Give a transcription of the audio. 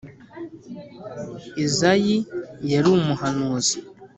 Izayi yari umuhanuzi